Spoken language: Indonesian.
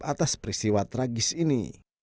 atas peristiwa tragis ini